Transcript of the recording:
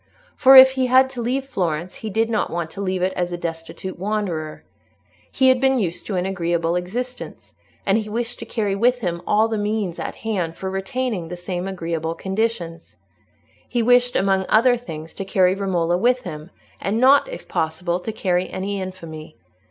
For if he had to leave Florence he did not want to leave it as a destitute wanderer. He had been used to an agreeable existence, and he wished to carry with him all the means at hand for retaining the same agreeable conditions. He wished among other things to carry Romola with him, and not, if possible, to carry any infamy.